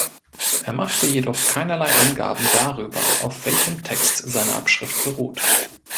Er machte jedoch keinerlei Angaben darüber, auf welchem Text seine Abschrift beruht.